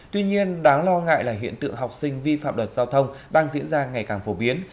tuy nhiên đáng lo ngại là hiện tượng học sinh vi phạm luật giao thông đang diễn ra ngày càng phổ biến